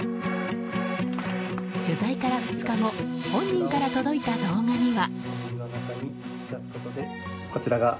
取材から２日後本人から届いた動画には。